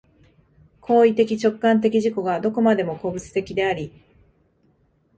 行為的直観的自己がどこまでも個物的であり、